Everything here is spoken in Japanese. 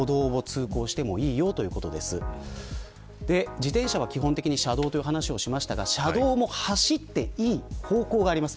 自転車は基本的に車道という話をしましたが車道も走っていい方向があります。